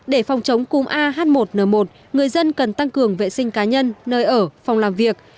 để phòng chống cúm ah một n một người dân cần tăng cường vệ sinh cá nhân nơi ở phòng làm việc